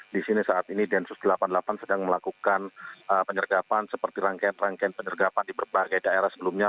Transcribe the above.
di sini saat ini densus delapan puluh delapan sedang melakukan penyergapan seperti rangkaian rangkaian penyergapan di berbagai daerah sebelumnya